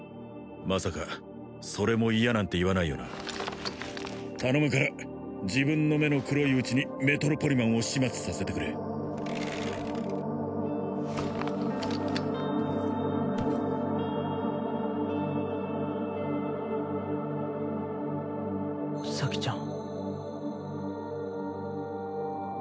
まさかそれも嫌なんて言わないよな頼むから自分の目の黒いうちにメトロポリマンを始末させてくれ咲ちゃん